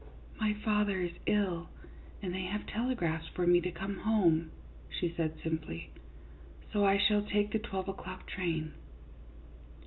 " My father is ill, and they have telegraphed for me to come home," she said, simply, "so I shall take the twelve o'clock train."